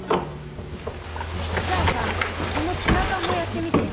じゃあさこのツナ缶もやってみてよ。